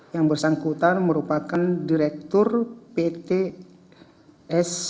yang bersangkutan merupakan direktur pt s sembilan puluh sembilan p